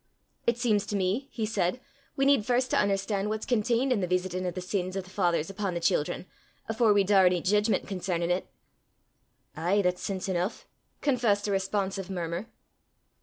"It seems to me," he said, "we need first to un'erstan' what's conteened i' the veesitin' o' the sins o' the fathers upo' the children, afore we daur ony jeedgment concernin' 't." "Ay, that's sense eneuch!" confessed a responsive murmur.